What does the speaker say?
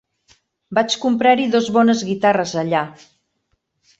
Vaig comprar-hi dos bones guitarres allà.